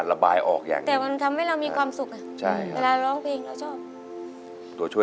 นี่โอเคเลยเรียบร้อยแล้ว